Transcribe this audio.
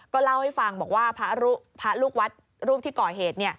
เล่าให้ฟังบอกว่าพระลูกวัดรูปที่ก่อเหตุ